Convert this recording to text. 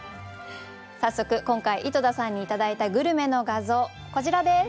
早速今回井戸田さんに頂いたグルメの画像こちらです。